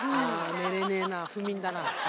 寝れねぇな、不眠だな。